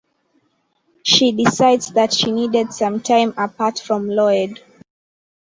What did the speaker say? She decides that she needed some time apart from Lloyd.